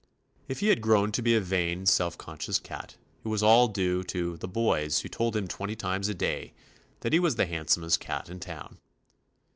If he had grown to be a vain, self conscious cat, it was all due to ''the boys" who told him twenty times a day that he was "the handsomest cat in town."